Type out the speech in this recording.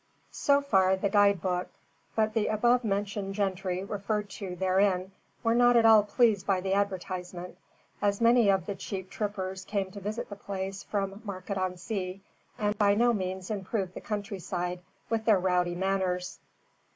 So far the guide book; but the above mentioned gentry referred to therein were not at all pleased by the advertisement, as many of the cheap trippers came to visit the place from Market on Sea, and by no means improved the countryside with their rowdy manners.